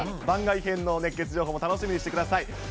番外編の熱ケツ情報も楽しみにしてください。